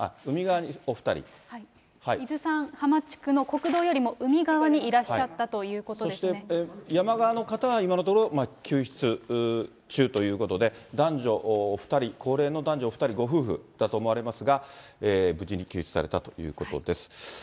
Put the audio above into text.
伊豆山浜地区の国道よりも海側にいらっしゃったということでそして山側の方が、今のところ、救出中ということで、男女２人、高齢の男女お２人、ご夫婦だと思われますが、無事に救出されたということです。